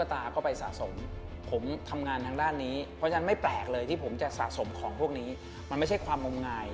ออกไปทำงานเราจะไม่ชี้นำคนดู